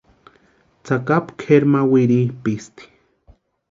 Tsakapu kʼeri ma wirhipʼisti.